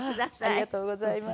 ありがとうございます。